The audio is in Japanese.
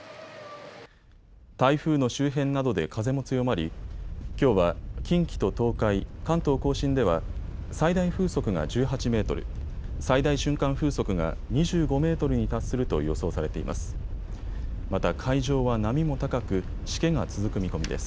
台風の周辺などで風も強まり、きょうは近畿と東海、関東甲信では最大風速が１８メートル、最大瞬間風速が２５メートルに達すると予想されています。